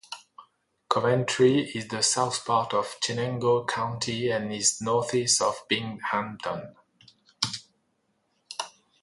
Coventry is in the south part of Chenango County and is northeast of Binghamton.